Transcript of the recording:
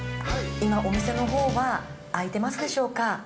今、お店のほうは空いてますでしょうか。